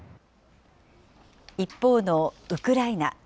一方のウクライナ。